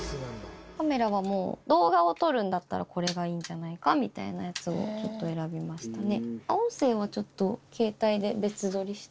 カメラは動画を撮るんだったらこれがいいんじゃないかみたいなやつをちょっと選びましたね。